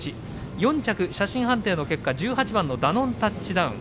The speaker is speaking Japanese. ４着、写真判定の結果１８番ダノンタッチダウン。